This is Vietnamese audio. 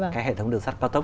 cái hệ thống đường sắt cao tốc